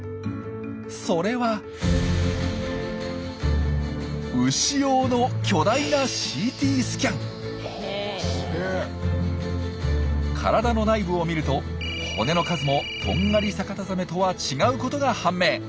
それはウシ用の巨大な体の内部を見ると骨の数もトンガリサカタザメとは違うことが判明。